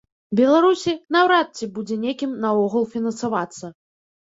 Беларусі, наўрад ці будзе некім наогул фінансавацца.